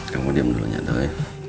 kamu diam dulunya doi